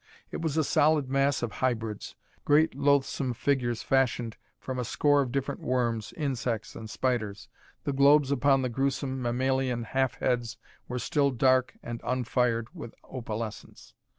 It was a solid mass of hybrids great loathesome figures fashioned from a score of different worms, insects, and spiders. The globes upon the gruesome mammalian half heads were still dark and unfired with opalescence.